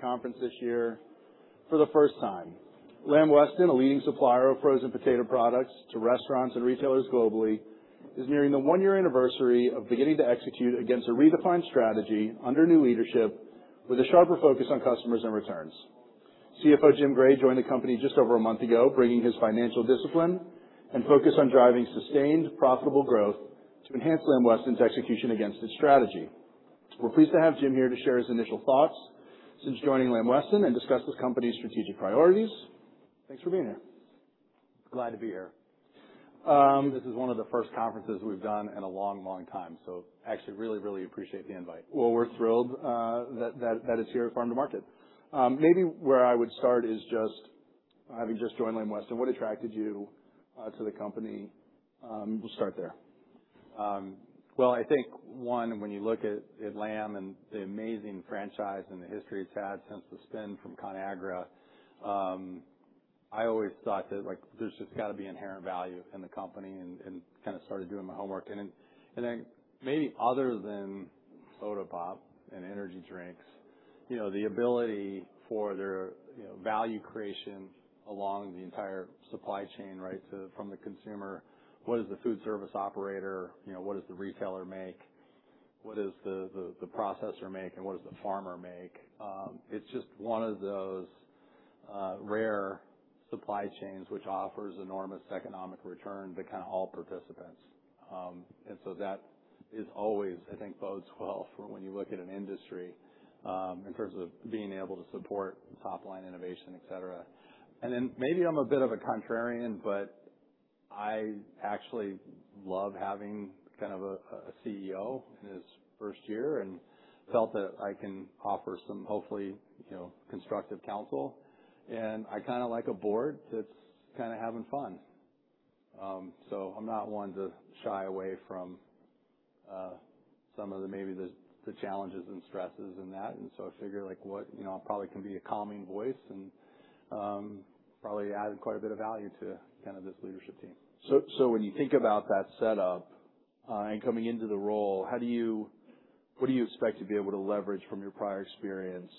Conference this year for the first time. Lamb Weston, a leading supplier of frozen potato products to restaurants and retailers globally, is nearing the one-year anniversary of beginning to execute against a redefined strategy under new leadership with a sharper focus on customers and returns. CFO Jim Gray joined the company just over one month ago, bringing his financial discipline and focus on driving sustained, profitable growth to enhance Lamb Weston's execution against its strategy. We're pleased to have Jim here to share his initial thoughts since joining Lamb Weston and discuss the company's strategic priorities. Thanks for being here. Glad to be here. This is one of the first conferences we've done in a long, long time, so actually really, really appreciate the invite. We're thrilled that it's here at Farm to Market. Maybe where I would start is just having just joined Lamb Weston, what attracted you to the company? We'll start there. Well, I think one, when you look at Lamb and the amazing franchise and the history it's had since the spin from Conagra, I always thought that, like, there's just gotta be inherent value in the company and kinda started doing my homework. Then maybe other than soda pop and energy drinks, you know, the ability for their, you know, value creation along the entire supply chain, right, from the consumer. What is the food service operator, you know, what does the retailer make? What does the processor make and what does the farmer make? It's just one of those rare supply chains which offers enormous economic return to kinda all participants. That is always, I think bodes well for when you look at an industry in terms of being able to support top-line innovation, et cetera. Maybe I'm a bit of a contrarian, but I actually love having kind of a CEO in his first year and felt that I can offer some hopefully, you know, constructive counsel. I kinda like a board that's kinda having fun. I'm not one to shy away from some of the, maybe the challenges and stresses in that. I figure, like, what, you know, I probably can be a calming voice and probably add quite a bit of value to kinda this leadership team. When you think about that setup, and coming into the role, what do you expect to be able to leverage from your prior experience,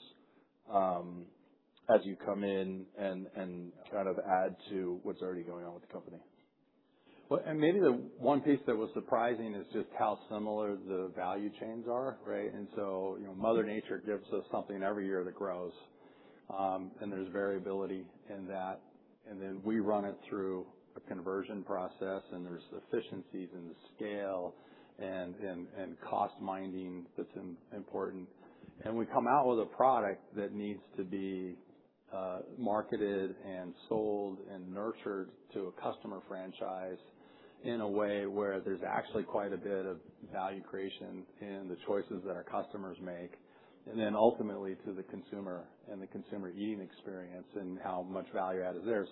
as you come in and kind of add to what's already going on with the company? Well, maybe the one piece that was surprising is just how similar the value chains are, right? You know, mother nature gives us something every year that grows, and there's variability in that. We run it through a conversion process, and there's efficiencies in the scale and cost-minding that's important. We come out with a product that needs to be marketed and sold and nurtured to a customer franchise in a way where there's actually quite a bit of value creation in the choices that our customers make, and then ultimately to the consumer and the consumer eating experience and how much value add is there.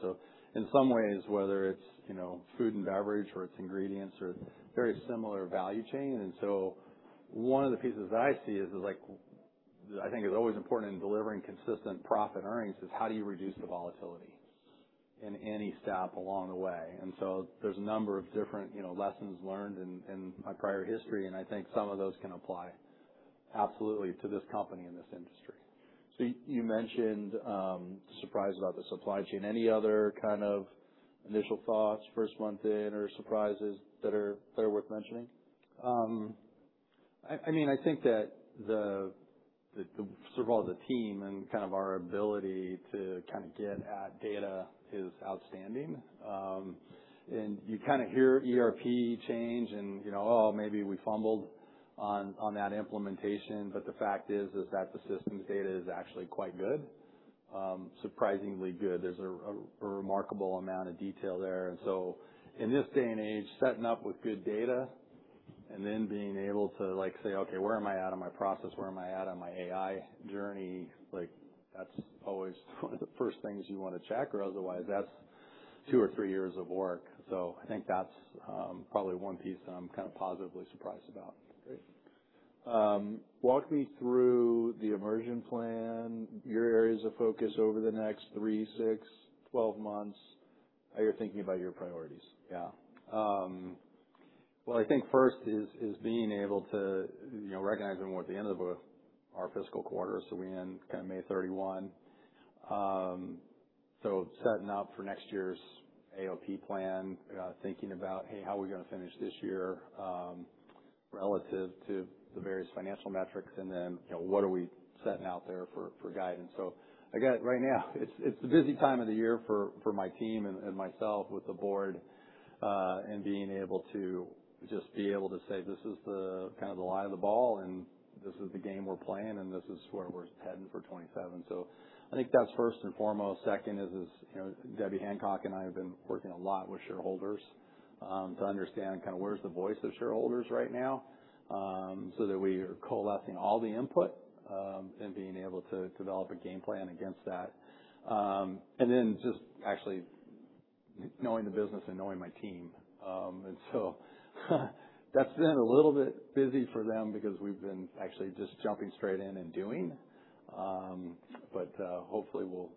In some ways, whether it's, you know, food and beverage or it's ingredients or very similar value chain. One of the pieces that I see is like, I think is always important in delivering consistent profit earnings is how do you reduce the volatility in any step along the way? There's a number of different, you know, lessons learned in my prior history, and I think some of those can apply absolutely to this company and this industry. You mentioned surprise about the supply chain. Any other kind of initial thoughts first month in, or surprises that are worth mentioning? I mean, I think that the first of all, the team and kind of our ability to kinda get at data is outstanding. You kinda hear ERP change and, you know, oh, maybe we fumbled on that implementation. The fact is that the systems data is actually quite good, surprisingly good. There's a remarkable amount of detail there. In this day and age, setting up with good data and then being able to, like, say, "Okay, where am I at on my process? Where am I at on my AI journey?" Like, that's always the first things you wanna check or otherwise that's two or three years of work. I think that's probably one piece that I'm kinda positively surprised about. Great. Walk me through the immersion plan, your areas of focus over the next three, six, 12 months, how you're thinking about your priorities. Well, I think first is being able to, you know, recognizing we're at the end of our fiscal quarter, so we end kind of May 31. Setting up for next year's AOP plan, thinking about, hey, how are we going to finish this year, relative to the various financial metrics, and then, you know, what are we setting out there for guidance? Again, right now it's a busy time of the year for my team and myself with the board, and being able to just be able to say, "This is the kind of the lie of the ball and this is the game we're playing and this is where we're heading for 2027." I think that's first and foremost. Second is, you know, Debbie Hancock and I have been working a lot with shareholders, to understand kinda where's the voice of shareholders right now, so that we are coalescing all the input, and being able to develop a game plan against that. Then just actually knowing the business and knowing my team. So that's been a little bit busy for them because we've been actually just jumping straight in and doing. Hopefully we'll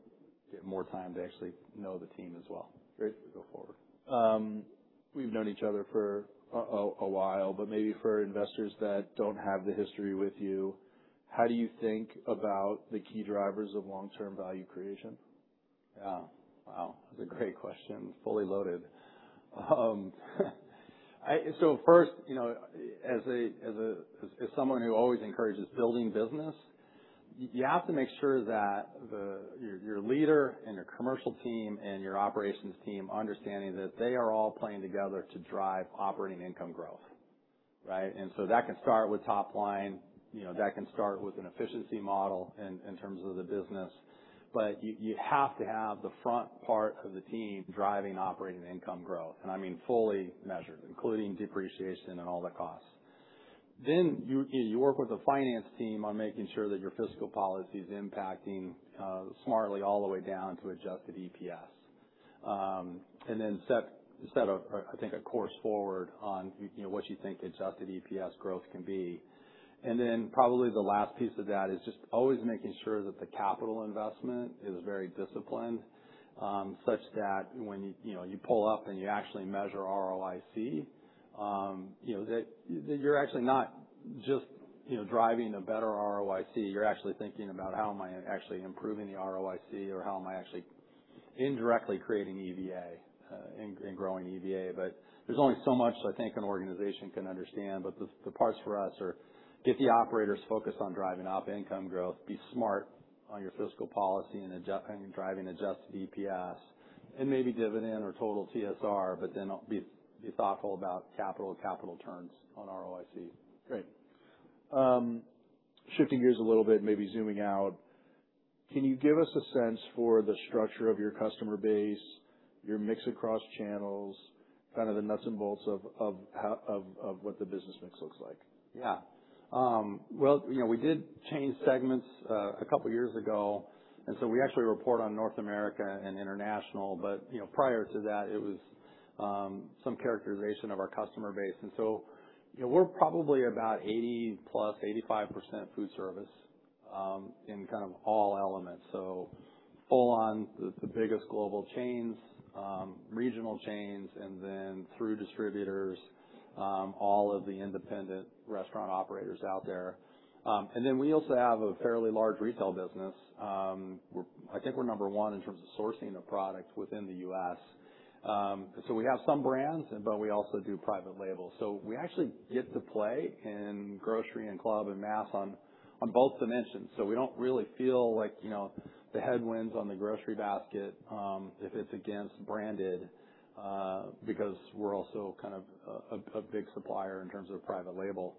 get more time to actually know the team as well. Great. As we go forward. We've known each other for a while, but maybe for investors that don't have the history with you, how do you think about the key drivers of long-term value creation? Yeah. Wow. That's a great question. Fully loaded. So first, you know, as someone who always encourages building business, you have to make sure that your leader and your commercial team and your operations team understanding that they are all playing together to drive operating income growth, right? That can start with top line. You know, that can start with an efficiency model in terms of the business. You, you have to have the front part of the team driving operating income growth, and I mean, fully measured, including depreciation and all the costs. You, you work with the finance team on making sure that your fiscal policy is impacting smartly all the way down to adjusted EPS. And then set a, I think, a course forward on, you know, what you think adjusted EPS growth can be. Probably the last piece of that is just always making sure that the capital investment is very disciplined, such that when you know, you pull up and you actually measure ROIC, you know, that you're actually not just, you know, driving a better ROIC. You're actually thinking about how am I actually improving the ROIC or how am I actually indirectly creating EVA and growing EVA. There's only so much I think an organization can understand. The parts for us are get the operators focused on driving up income growth, be smart on your fiscal policy and driving adjusted EPS and maybe dividend or total TSR, but then, be thoughtful about capital and capital turns on ROIC. Great. Shifting gears a little bit, maybe zooming out, can you give us a sense for the structure of your customer base, your mix across channels, kind of the nuts and bolts of how of what the business mix looks like? Well, you know, we did change segments a couple years ago, we actually report on North America and International, but, you know, prior to that, it was some characterization of our customer base. You know, we're probably about 80%+, 85% food service in kind of all elements. Full on the biggest global chains, regional chains, and then through distributors, all of the independent restaurant operators out there. We also have a fairly large retail business. I think we're number one in terms of sourcing the product within the U.S. We have some brands, but we also do private labels. We actually get to play in grocery and club and mass on both dimensions. We don't really feel like, you know, the headwinds on the grocery basket, if it's against branded, because we're also kind of a big supplier in terms of private label.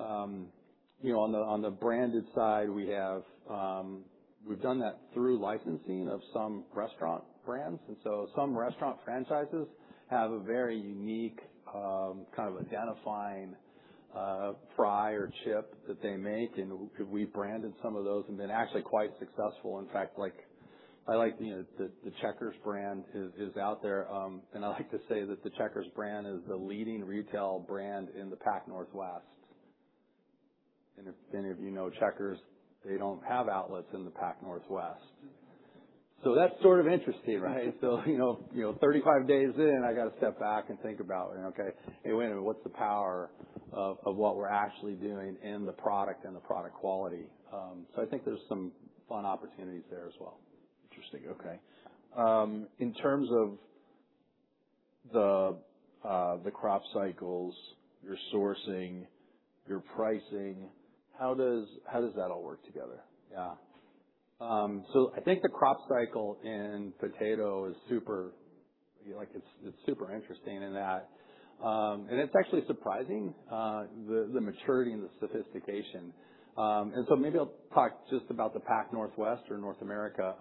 You know, on the branded side, we've done that through licensing of some restaurant brands. Some restaurant franchises have a very unique, kind of identifying, fry or chip that they make, and we've branded some of those and been actually quite successful. In fact, like, I like, you know, the Checkers brand is out there. I like to say that the Checkers brand is the leading retail brand in the Pac Northwest. If any of you know Checkers, they don't have outlets in the Pac Northwest. That's sort of interesting, right? You know, 35 days in, I gotta step back and think about, okay, hey, wait a minute, what's the power of what we're actually doing and the product and the product quality? I think there's some fun opportunities there as well. Interesting. Okay. In terms of the crop cycles, your sourcing, your pricing, how does that all work together? Yeah. I think the crop cycle in potato is super like, it's super interesting in that and it's actually surprising, the maturity and the sophistication. Maybe I'll talk just about the Pac Northwest or North America.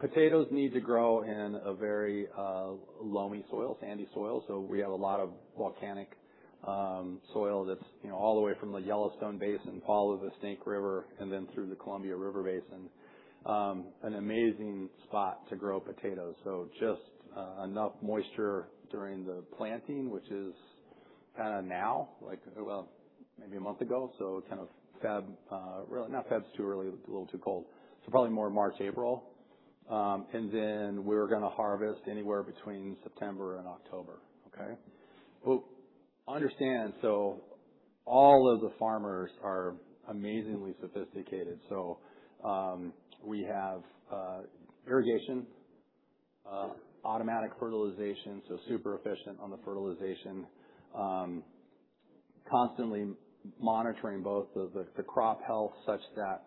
Potatoes need to grow in a very loamy soil, sandy soil. We have a lot of volcanic soil that's, you know, all the way from the Yellowstone Basin, follow the Snake River and then through the Columbia River Basin. An amazing spot to grow potatoes. Just enough moisture during the planting, which is kinda now, like, well, maybe a month ago, kind of really, no, Feb's too early, a little too cold. Probably more March, April. We're gonna harvest anywhere between September and October. Okay. Understand, all of the farmers are amazingly sophisticated. We have irrigation, automatic fertilization, super efficient on the fertilization. Constantly monitoring both the crop health such that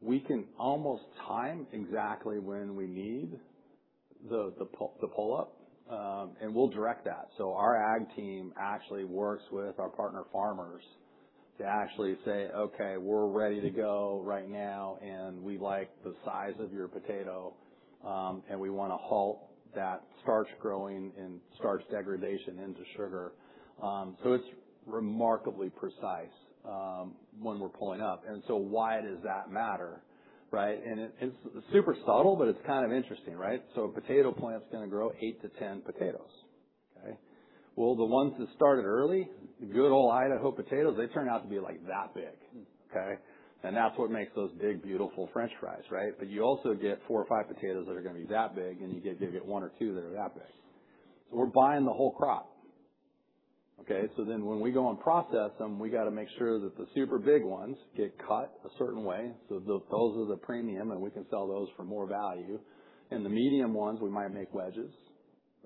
we can almost time exactly when we need the pull-up. We'll direct that. Our ag team actually works with our partner farmers to actually say, "Okay, we're ready to go right now, and we like the size of your potato, and we wanna halt that starch growing and starch degradation into sugar." It's remarkably precise when we're pulling up. Why does that matter, right? It's super subtle, but it's kind of interesting, right? A potato plant's gonna grow eight to 10 potatoes. Okay. The ones that started early, the good old Idaho potatoes, they turn out to be like that big. That's what makes those big, beautiful french fries. You also get four or five potatoes that are gonna be that big, and you get one or two that are that big. We're buying the whole crop. When we go and process them, we gotta make sure that the super big ones get cut a certain way, so those are the premium, and we can sell those for more value. The medium ones, we might make wedges.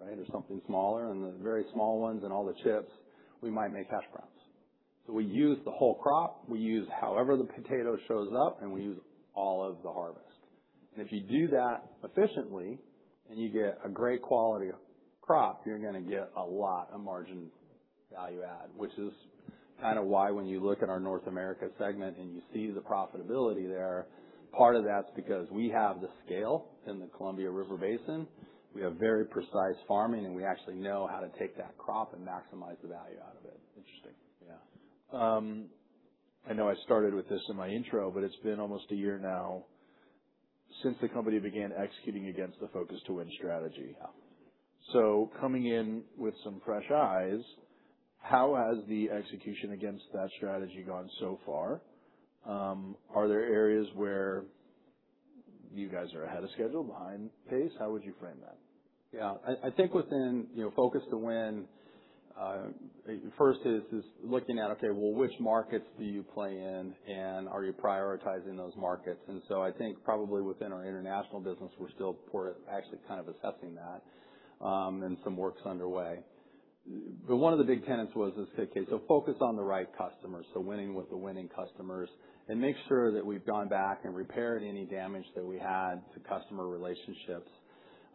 Or something smaller. The very small ones and all the chips, we might make hash browns. We use the whole crop, we use however the potato shows up, and we use all of the harvest. If you do that efficiently and you get a great quality crop, you're gonna get a lot of margin value add, which is kinda why when you look at our North America segment and you see the profitability there, part of that's because we have the scale in the Columbia River Basin. We have very precise farming, and we actually know how to take that crop and maximize the value out of it. Interesting. Yeah. I know I started with this in my intro, it's been almost a year now since the company began executing against the Focus to Win strategy. Yeah. Coming in with some fresh eyes, how has the execution against that strategy gone so far? Are there areas where you guys are ahead of schedule, behind pace? How would you frame that? Yeah. I think within, you know, Focus to Win, first is looking at, okay, well, which markets do you play in, and are you prioritizing those markets? I think probably within our international business, we're still sort of actually kind of assessing that, and some work's underway. One of the big tenets was, is, okay, so focus on the right customers, so winning with the winning customers, and make sure that we've gone back and repaired any damage that we had to customer relationships.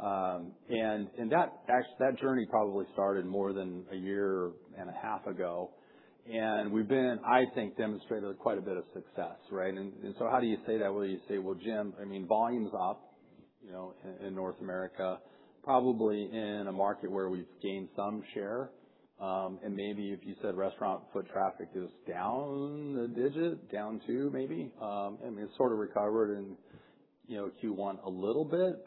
And that journey probably started more than a year and a half ago. We've been, I think, demonstrated quite a bit of success, right? How do you say that? Well, you say, "Well, Jim, I mean, volume's up, you know, in North America, probably in a market where we've gained some share." Maybe if you said restaurant foot traffic is down a digit, down two maybe, and it sort of recovered in, you know, Q1 a little bit.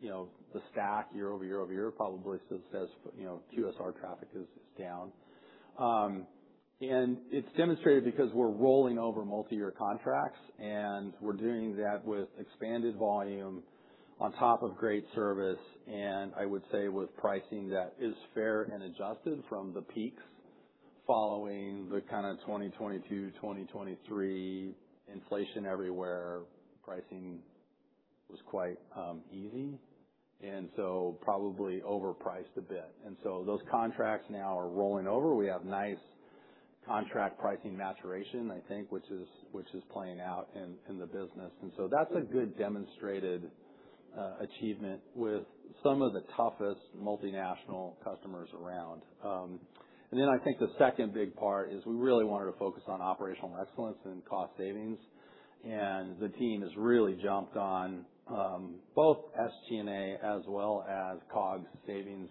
You know, the stack year-over-year-over-year probably still says, you know, QSR traffic is down. It's demonstrated because we're rolling over multiyear contracts, and we're doing that with expanded volume on top of great service, and I would say with pricing that is fair and adjusted from the peaks following the kind of 2022, 2023 inflation everywhere, pricing was quite easy, and so probably overpriced a bit. Those contracts now are rolling over. We have nice contract pricing maturation, which is playing out in the business. That's a good demonstrated achievement with some of the toughest multinational customers around. The second big part is we really wanted to focus on operational excellence and cost savings. The team has really jumped on both SG&A as well as COGS savings.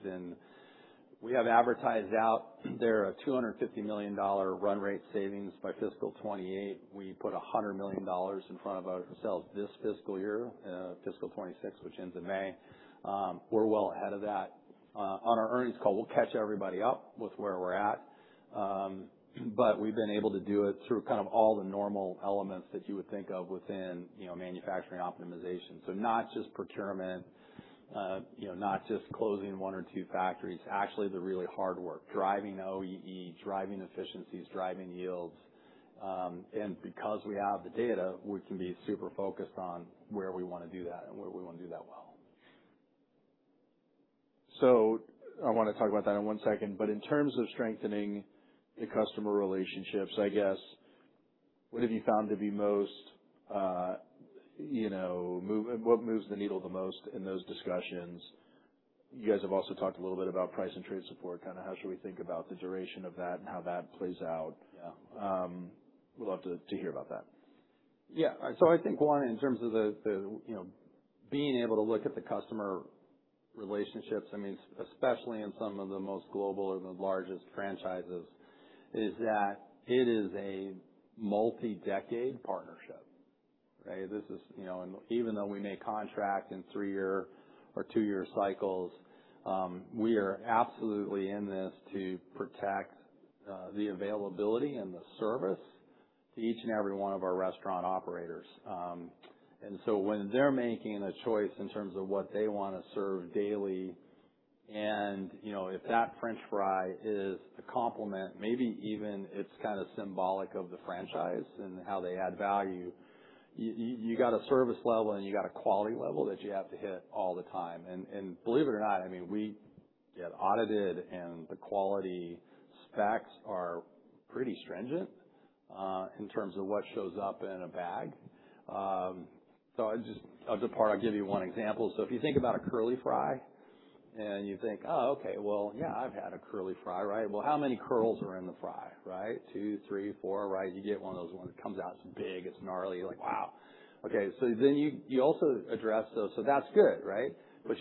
We have advertised out there a $250 million run rate savings by fiscal 2028. We put $100 million in front of our sales this fiscal year, fiscal 2026, which ends in May. We're well ahead of that. On our earnings call, we'll catch everybody up with where we're at. We've been able to do it through kind of all the normal elements that you would think of within, you know, manufacturing optimization. Not just procurement, you know, not just closing one or two factories. Actually, the really hard work, driving OEE, driving efficiencies, driving yields. Because we have the data, we can be super focused on where we wanna do that and where we wanna do that well. I wanna talk about that in one second, but in terms of strengthening the customer relationships, I guess, what have you found to be most, you know, what moves the needle the most in those discussions? You guys have also talked a little bit about price and trade support, kinda how should we think about the duration of that and how that plays out? Yeah. Would love to hear about that. I think, one, in terms of you know, being able to look at the customer relationships, I mean, especially in some of the most global or the largest franchises, is that it is a multi-decade partnership. This is, you know even though we may contract in three-year or two-year cycles, we are absolutely in this to protect the availability and the service to each and every one of our restaurant operators. When they're making a choice in terms of what they wanna serve daily, and, you know, if that french fry is a complement, maybe even it's kinda symbolic of the franchise and how they add value, you got a service level, and you got a quality level that you have to hit all the time. Believe it or not, I mean, we get audited, and the quality specs are pretty stringent in terms of what shows up in a bag. I'll give you one example. If you think about a curly fry and you think, "Oh, okay, well, yeah, I've had a curly fry," right? Well, how many curls are in the fry, right? Two, three, four, right? You get one of those ones, it comes out, it's big, it's gnarly. You're like, "Wow." Okay, then you also address those, so that's good, right?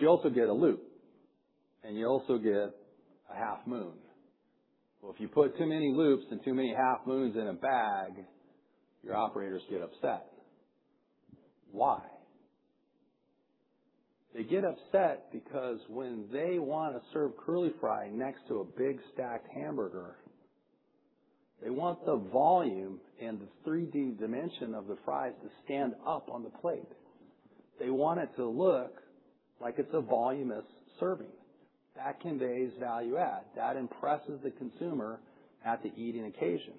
You also get a loop, and you also get a half-moon. Well, if you put too many loops and too many half-moons in a bag, your operators get upset. Why? They get upset because when they wanna serve curly fry next to a big stacked hamburger, they want the volume and the 3D dimension of the fries to stand up on the plate. They want it to look like it's a voluminous serving. That conveys value-add. That impresses the consumer at the eating occasion.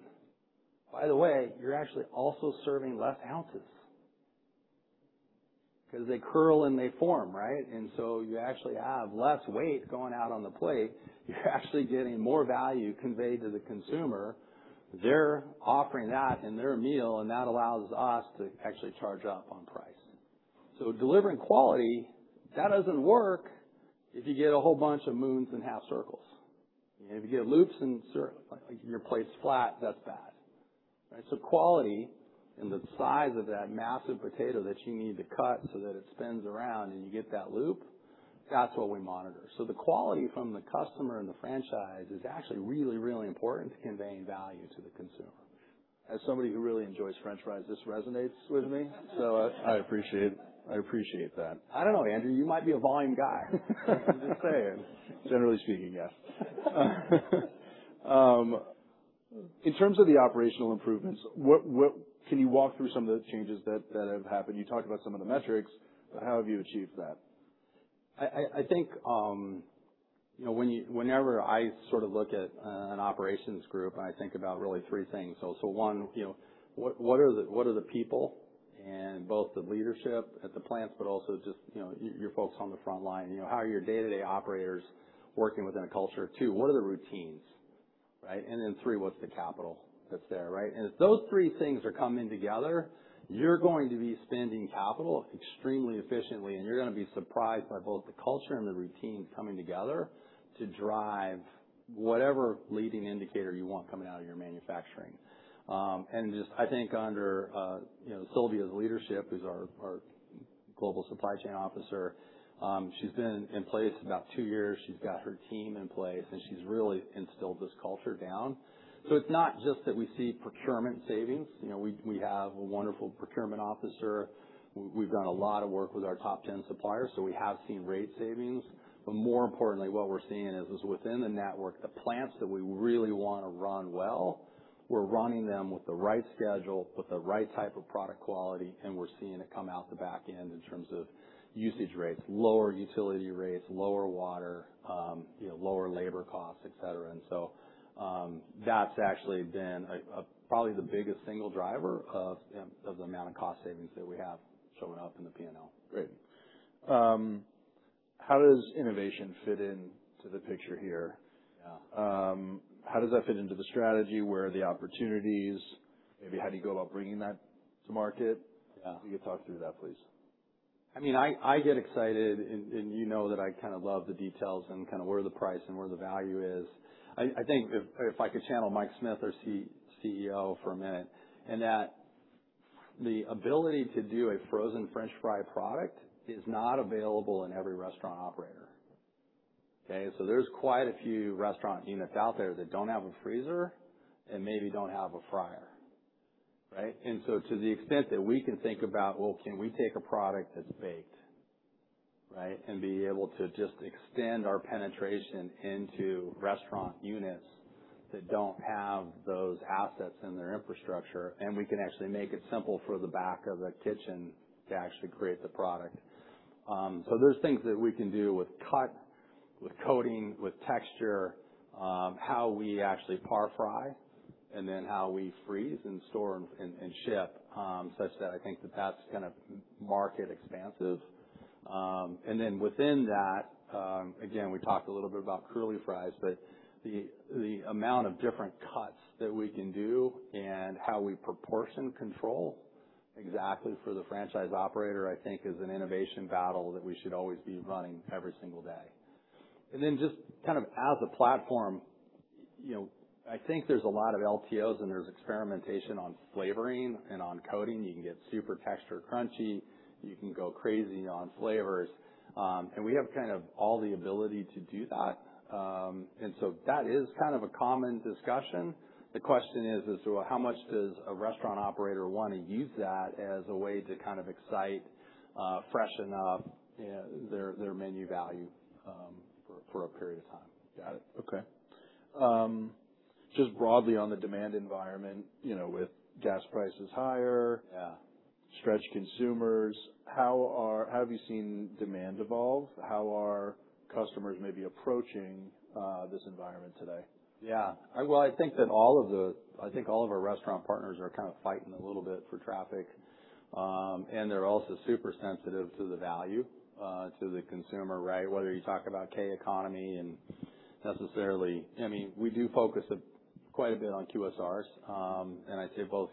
By the way, you're actually also serving less ounces 'cause they curl and they form, right? You actually have less weight going out on the plate. You're actually getting more value conveyed to the consumer. They're offering that in their meal, and that allows us to actually charge up on price. Delivering quality, that doesn't work if you get a whole bunch of moons and half circles. If you get loops and like, your plate's flat, that's bad, right? Quality and the size of that massive potato that you need to cut so that it spins around and you get that loop, that's what we monitor. The quality from the customer and the franchise is actually really important to conveying value to the consumer. As somebody who really enjoys french fries, this resonates with me. I appreciate that. I don't know, Andrew, you might be a volume guy. I'm just saying. Generally speaking, yes. In terms of the operational improvements, Can you walk through some of the changes that have happened? You talked about some of the metrics, but how have you achieved that? I think, you know, whenever I sort of look at an operations group, I think about really three things. One, you know, what are the people, and both the leadership at the plants, but also just, you know, your folks on the front line. You know, how are your day-to-day operators working within a culture? Two, what are the routines, right? Three, what's the capital that's there, right? If those three things are coming together, you're going to be spending capital extremely efficiently, and you're gonna be surprised by both the culture and the routines coming together to drive whatever leading indicator you want coming out of your manufacturing. Just I think under, you know, Sylvia's leadership, who's our Global Supply Chain Officer, she's been in place about two years. She's got her team in place, and she's really instilled this culture down. It's not just that we see procurement savings. You know, we have a wonderful procurement officer. We've done a lot of work with our top 10 suppliers, we have seen rate savings. More importantly, what we're seeing is within the network, the plants that we really wanna run well, we're running them with the right schedule, with the right type of product quality, and we're seeing it come out the back end in terms of usage rates, lower utility rates, lower water, you know, lower labor costs, et cetera. That's actually been probably the biggest single driver of the amount of cost savings that we have showing up in the P&L. Great. How does innovation fit into the picture here? Yeah. How does that fit into the strategy? Where are the opportunities? Maybe how do you go about bringing that to market? Yeah. Can you talk through that, please? I mean, I get excited and you know that I kinda love the details and kinda where the price and where the value is. I think if I could channel Mike Smith, our CEO, for a minute, in that the ability to do a frozen french fry product is not available in every restaurant operator. Okay? There's quite a few restaurant units out there that don't have a freezer and maybe don't have a fryer, right? To the extent that we can think about, well, can we take a product that's baked, right, and be able to just extend our penetration into restaurant units that don't have those assets in their infrastructure, and we can actually make it simple for the back of the kitchen to actually create the product. There's things that we can do with cut, with coating, with texture, how we actually par-fry, and then how we freeze and store and ship, such that I think that that's kind of market expansive. And then within that, again, we talked a little bit about curly fries, but the amount of different cuts that we can do and how we proportion control exactly for the franchise operator, I think is an innovation battle that we should always be running every single day. And then just kind of as a platform, you know, I think there's a lot of LTOs, and there's experimentation on flavoring and on coating. You can get super textured crunchy. You can go crazy on flavors. And we have kind of all the ability to do that. That is kind of a common discussion. The question is, well, how much does a restaurant operator wanna use that as a way to kind of excite, freshen up, their menu value, for a period of time? Got it. Okay. Just broadly on the demand environment, you know, with gas prices higher. Yeah stretched consumers, how have you seen demand evolve? How are customers maybe approaching this environment today? Yeah. Well, I think all of our restaurant partners are kind of fighting a little bit for traffic. They're also super sensitive to the value to the consumer, right? Whether you talk about K-shaped economy and necessarily I mean, we do focus a quite a bit on QSRs. I'd say both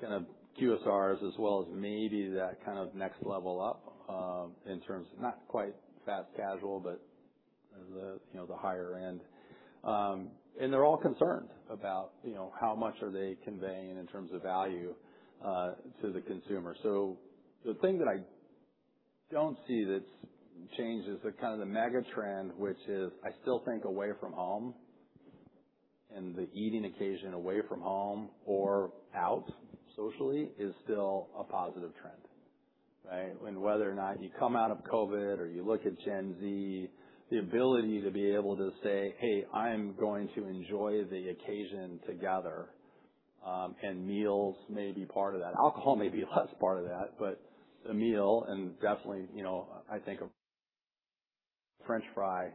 kind of QSRs as well as maybe that kind of next level up in terms of not quite fast casual, but the, you know, the higher end. They're all concerned about, you know, how much are they conveying in terms of value to the consumer. The thing that I don't see that's changed is the kind of the mega trend, which is, I still think away from home. The eating occasion away from home or out socially is still a positive trend, right? When whether or not you come out of COVID or you look at Gen Z, the ability to be able to say, "Hey, I'm going to enjoy the occasion to gather," and meals may be part of that. Alcohol may be less part of that, but a meal and definitely, you know, I think a french fry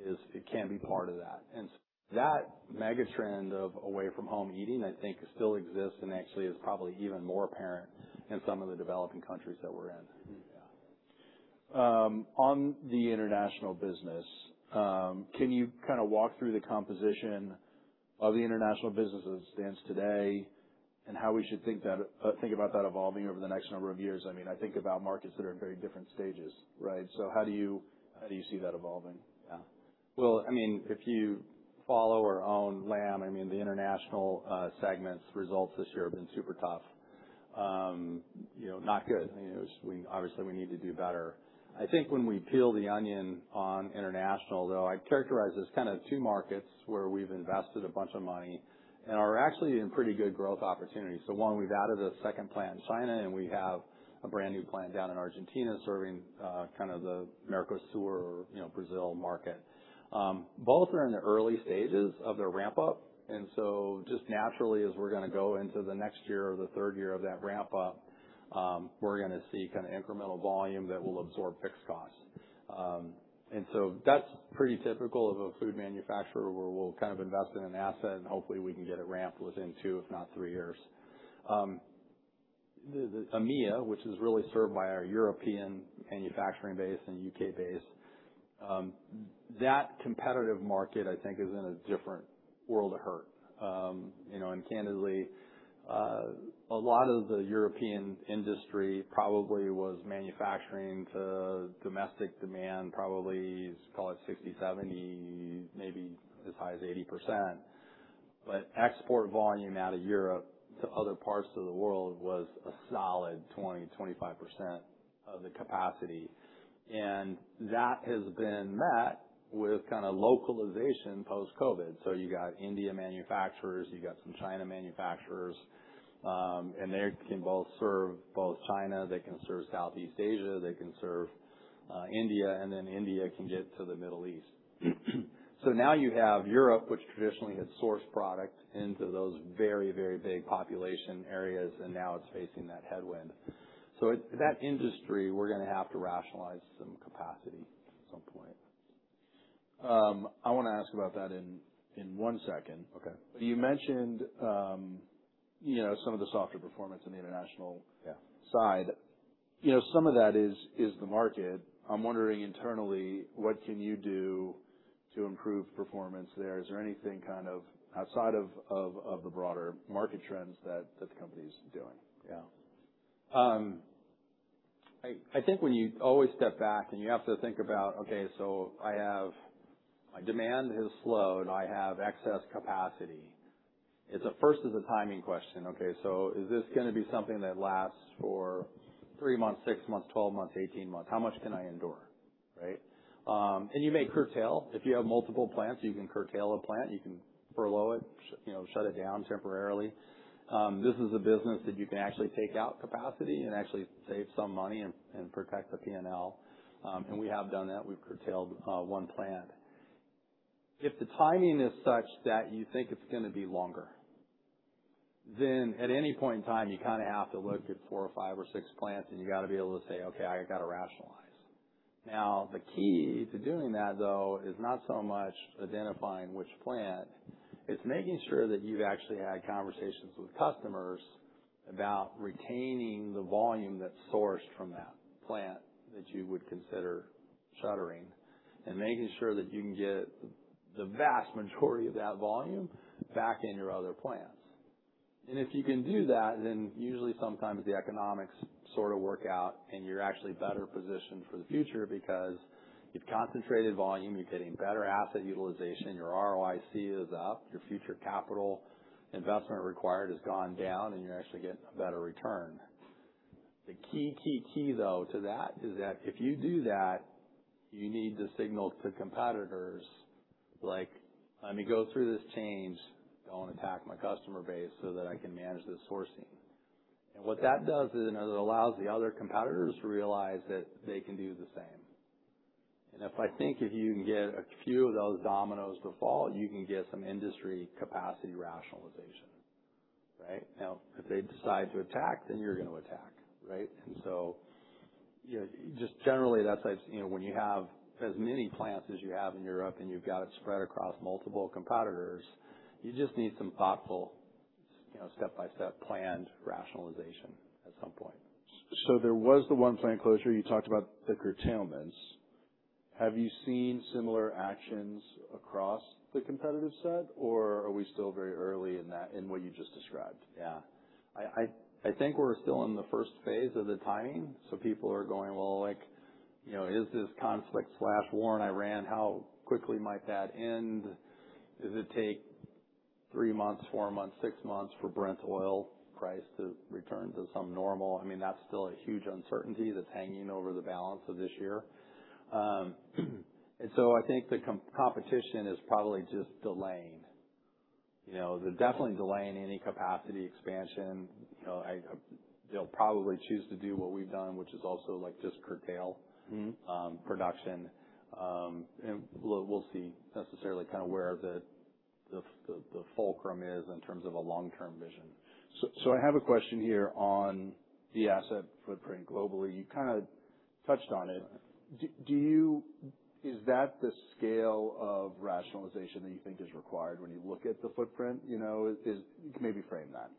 it can be part of that. That megatrend of away-from-home eating, I think, still exists and actually is probably even more apparent in some of the developing countries that we're in. Mm-hmm. Yeah. On the international business, can you kinda walk through the composition of the international business as it stands today and how we should think about that evolving over the next number of years? I mean, I think about markets that are in very different stages, right? How do you see that evolving? Well, I mean, if you follow our own Lamb Weston, I mean, the International segments results this year have been super tough. You know, not good. You know, just obviously, we need to do better. I think when we peel the onion on International, though, I'd characterize as kind of two markets where we've invested a bunch of money and are actually in pretty good growth opportunities. One, we've added a second plant in China, and we have a brand-new plant down in Argentina serving, kind of the Mercosur, you know, Brazil market. Both are in the early stages of their ramp-up, just naturally, as we're going to go into the next year or the third year of that ramp-up, we're going to see kind of incremental volume that will absorb fixed costs. That's pretty typical of a food manufacturer where we'll kind of invest in an asset and hopefully we can get it ramped within two, if not three years. EMEA, which is really served by our European manufacturing base and U.K. base, that competitive market, I think, is in a different world of hurt. you know, and candidly, a lot of the European industry probably was manufacturing to domestic demand, probably call it 60%-70%, maybe as high as 80%. Export volume out of Europe to other parts of the world was a solid 20%-25% of the capacity. That has been met with kinda localization post-COVID. You got India manufacturers, you got some China manufacturers, and they can both serve both China, they can serve Southeast Asia, they can serve India, and then India can get to the Middle East. Now you have Europe, which traditionally had sourced product into those very, very big population areas, and now it's facing that headwind. That industry, we're gonna have to rationalize some capacity at some point. I wanna ask about that in one second. Okay. You mentioned, you know, some of the softer performance in the international- Yeah. -side. You know, some of that is the market. I'm wondering internally, what can you do to improve performance there? Is there anything kind of outside of the broader market trends that the company's doing? Yeah. I think when you always step back and you have to think about, okay, so I have My demand has slowed. I have excess capacity. First is a timing question, okay? Is this gonna be something that lasts for three months, six months, 12 months, 18 months? How much can I endure, right? You may curtail. If you have multiple plants, you can curtail a plant. You can furlough it, you know, shut it down temporarily. This is a business that you can actually take out capacity and actually save some money and protect the P&L. We have done that. We've curtailed one plant. If the timing is such that you think it's gonna be longer, then at any point in time, you kinda have to look at four or five or six plants, and you gotta be able to say, "Okay, I gotta rationalize." The key to doing that, though, is not so much identifying which plant. It's making sure that you've actually had conversations with customers about retaining the volume that's sourced from that plant that you would consider shuttering and making sure that you can get the vast majority of that volume back in your other plants. If you can do that, then usually sometimes the economics sorta work out, and you're actually better positioned for the future because you've concentrated volume, you're getting better asset utilization, your ROIC is up, your future capital investment required has gone down, and you're actually getting a better return. The key, though, to that is that if you do that, you need to signal to competitors, like, "Let me go through this change. Don't attack my customer base so that I can manage the sourcing." What that does is it allows the other competitors to realize that they can do the same. If I think if you can get a few of those dominoes to fall, you can get some industry capacity rationalization, right? If they decide to attack, then you're gonna attack, right? You know, just generally that's like, you know, when you have as many plants as you have in Europe and you've got it spread across multiple competitors, you just need some thoughtful, you know, step-by-step planned rationalization at some point. There was the one plant closure. You talked about the curtailments. Have you seen similar actions across the competitive set, or are we still very early in that, in what you just described? Yeah. I think we're still in the first phase of the timing, so people are going, "Well, like, you know, is this conflict/war in Ukraine, how quickly might that end? Does it take three months, four months, six months for Brent oil price to return to some normal?" I mean, that's still a huge uncertainty that's hanging over the balance of this year. I think the competition is probably just delaying. You know, they're definitely delaying any capacity expansion. You know, they'll probably choose to do what we've done, which is also, like, just curtail-. production. We'll see necessarily kinda where the fulcrum is in terms of a long-term vision. I have a question here on the asset footprint globally. You kinda touched on it. Do you Is that the scale of rationalization that you think is required when you look at the footprint? You know, is Maybe frame that.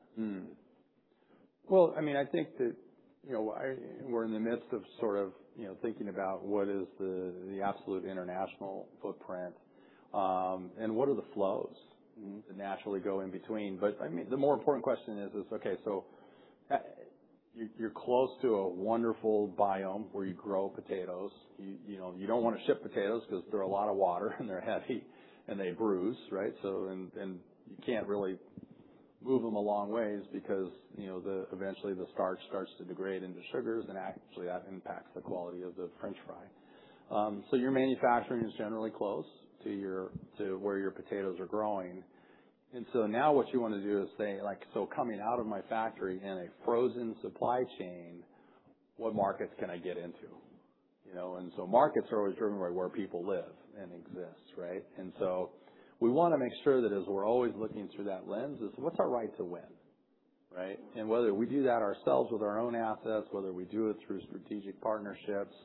Well, I mean, I think that, you know, We're in the midst of sort of, you know, thinking about what is the absolute international footprint, and what are the flows. that naturally go in between. I mean, the more important question is, okay, so, you're close to a wonderful biome where you grow potatoes. You, you know, you don't wanna ship potatoes 'cause they're a lot of water and they're heavy and they bruise, right? You can't really move them a long ways because, you know, eventually the starch starts to degrade into sugars, and actually that impacts the quality of the french fry. Your manufacturing is generally close to your, to where your potatoes are growing. Now what you wanna do is say, like, "Coming out of my factory in a frozen supply chain, what markets can I get into?" You know. Markets are always driven by where people live and exist, right? We wanna make sure that as we're always looking through that lens is what's our right to win, right? Whether we do that ourselves with our own assets, whether we do it through strategic partnerships,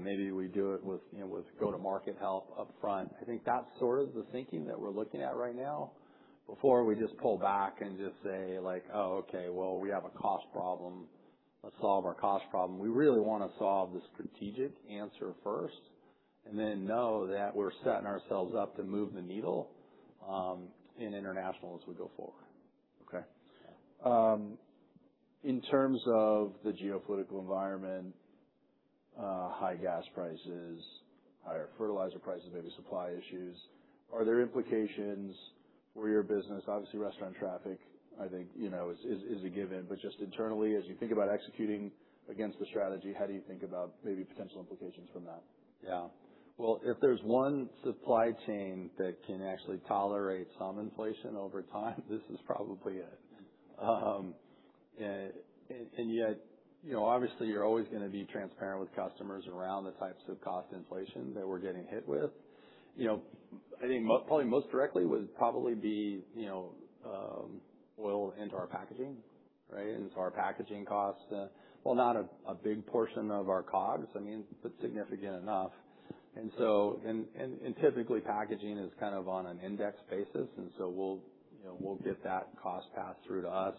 maybe we do it with, you know, with go-to-market help up front. I think that's sort of the thinking that we're looking at right now before we just pull back and just say like, "Oh, okay, well, we have a cost problem. Let's solve our cost problem." We really wanna solve the strategic answer first and then know that we're setting ourselves up to move the needle in international as we go forward. Okay. In terms of the geopolitical environment, high gas prices, higher fertilizer prices, maybe supply issues, are there implications for your business? Obviously, restaurant traffic is a given. Just internally, as you think about executing against the strategy, how do you think about maybe potential implications from that? Yeah. Well, if there's one supply chain that can actually tolerate some inflation over time, this is probably it. And yet, you know, obviously you're always gonna be transparent with customers around the types of cost inflation that we're getting hit with. You know, I think probably most directly would probably be, you know, oil into our packaging, right? Into our packaging costs. Well, not a big portion of our COGS, I mean, but significant enough. Typically packaging is kind of on an index basis, and so we'll, you know, we'll get that cost passed through to us.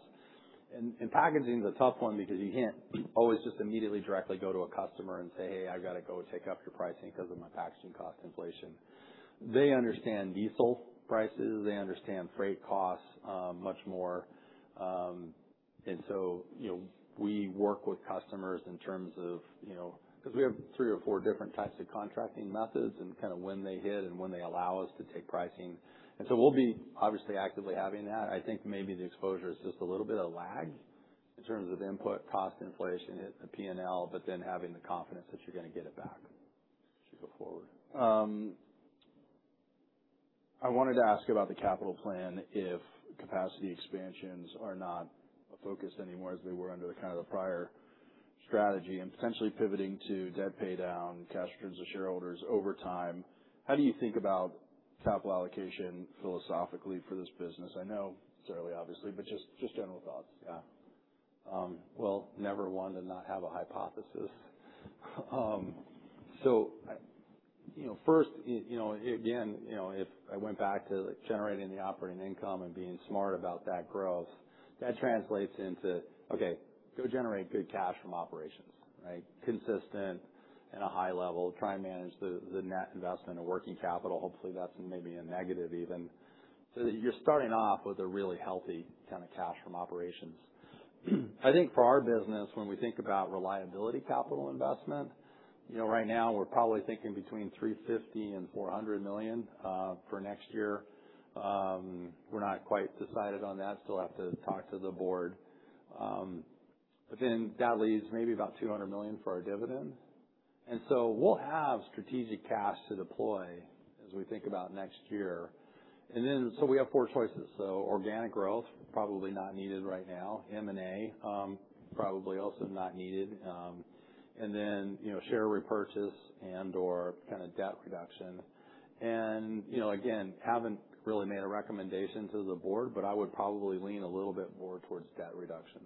Packaging's a tough one because you can't always just immediately directly go to a customer and say, "Hey, I gotta go take up your pricing 'cause of my packaging cost inflation." They understand diesel prices, they understand freight costs, much more. You know, we work with customers in terms of, you know 'Cause we have three or four different types of contracting methods and kinda when they hit and when they allow us to take pricing. We'll be obviously actively having that. I think maybe the exposure is just a little bit of lag in terms of input cost inflation hitting the P&L, but then having the confidence that you're gonna get it back as you go forward. I wanted to ask about the capital plan, if capacity expansions are not a focus anymore as they were under the kind of the prior strategy, and potentially pivoting to debt paydown, cash returns to shareholders over time. How do you think about capital allocation philosophically for this business? I know thoroughly obviously, but just general thoughts. Well, never one to not have a hypothesis. I, you know, first, you know, again, you know, if I went back to, like, generating the operating income and being smart about that growth, that translates into, okay, go generate good cash from operations, right? Consistent and a high level. Try and manage the net investment and working capital. Hopefully, that's maybe a negative even. You're starting off with a really healthy kind of cash from operations. I think for our business, when we think about reliability capital investment, you know, right now we're probably thinking between $350 million-$400 million for next year. We're not quite decided on that. Still have to talk to the board. That leaves maybe about $200 million for our dividends. We'll have strategic cash to deploy as we think about next year. We have four choices. Organic growth, probably not needed right now. M&A, probably also not needed. You know, share repurchase and/or kind of debt reduction. You know, again, haven't really made a recommendation to the board, but I would probably lean a little bit more towards debt reduction.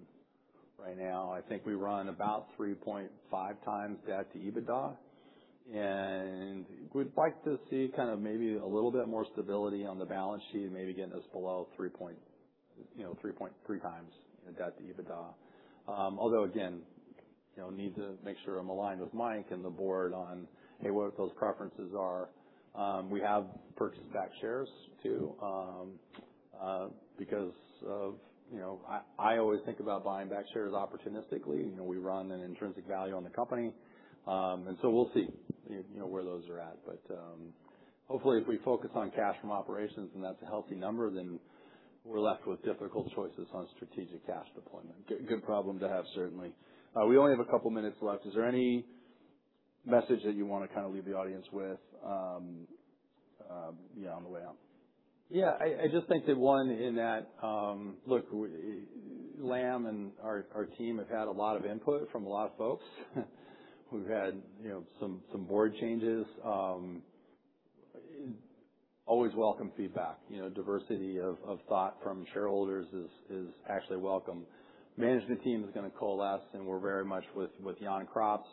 Right now, I think we run about 3.5x debt to EBITDA. We'd like to see kind of maybe a little bit more stability on the balance sheet and maybe getting us below 3.3x debt to EBITDA. Although again, you know, need to make sure I'm aligned with Mike and the board on, hey, what those preferences are. We have purchased back shares too, because of, you know, I always think about buying back shares opportunistically. You know, we run an intrinsic value on the company. We'll see, you know, where those are at. Hopefully, if we focus on cash from operations, and that's a healthy number, then we're left with difficult choices on strategic cash deployment. Good problem to have certainly. We only have a couple minutes left. Is there any message that you wanna kinda leave the audience with, you know, on the way out? Yeah. I just think that, one, in that, look, Lamb and our team have had a lot of input from a lot of folks. We've had, you know, some board changes. Always welcome feedback. You know, diversity of thought from shareholders is actually welcome. Management team is gonna coalesce, and we're very much with Jan Craps,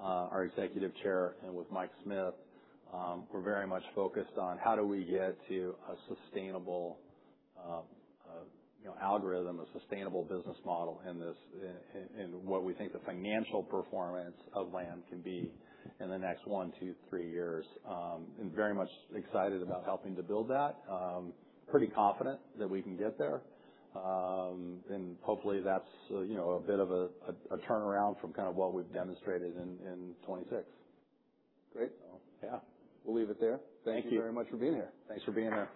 our Executive Chair, and with Mike Smith. We're very much focused on how do we get to a sustainable, you know, algorithm, a sustainable business model in this, in what we think the financial performance of Lamb can be in the next one, two, three years. And very much excited about helping to build that. Pretty confident that we can get there. Hopefully that's, you know, a bit of a turnaround from kind of what we've demonstrated in 2026. Great. Yeah. We'll leave it there. Thank you. Thank you very much for being here. Thanks for being here.